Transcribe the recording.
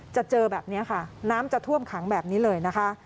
เจอแบบนี้ค่ะน้ำจะท่วมขังแบบนี้เลยนะคะ